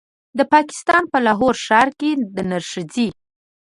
د پاکستان په لاهور ښار کې د نرښځې